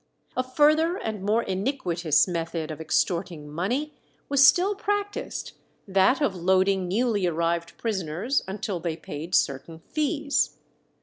A further and a more iniquitous method of extorting money was still practised, that of loading newly arrived prisoners until they paid certain fees.